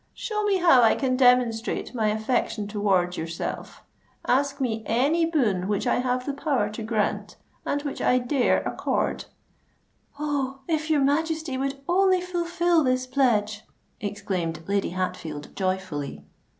"Show me how I can demonstrate my affection towards yourself—ask me any boon which I have the power to grant, and which I dare accord——" "Oh! if your Majesty would only fulfil this pledge!" exclaimed Lady Hatfield joyfully.